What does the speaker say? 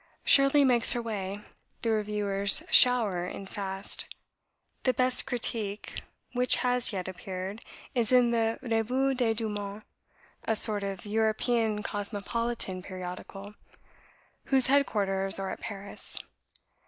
"'Shirley' makes her way. The reviews shower in fast. ... The best critique which has yet appeared is in the Revue des deux Mondes, a sort of European Cosmopolitan periodical, whose head quarters are at Paris.